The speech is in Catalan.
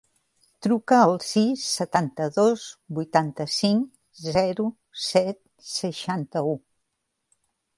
Truca al sis, setanta-dos, vuitanta-cinc, zero, set, seixanta-u.